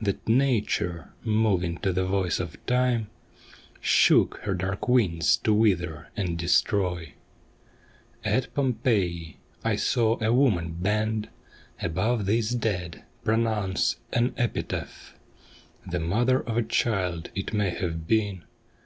That Nature, moving to the voice of Time, Shook her dark wings to wither and destroy. 87 M^ AT POMPEII At Pompeii I saw a woman bend Above this dead, pronounce an epitapli ; The mother of a child, it may have been.